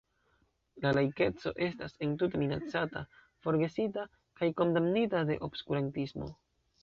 La laikeco estas entute minacata, forgesita kaj kondamnita de obskurantismo.